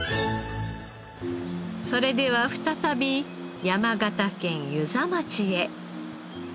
それでは再び山形県遊佐町へ。